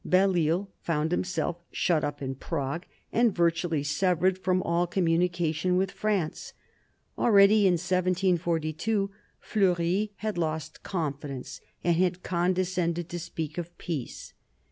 Belleisle found himself shut up in Prague, and virtually severed from all communication with France. Already in 1742 Fleury had lost confidence, and had condescended to speak of peace.